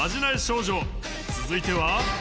続いては。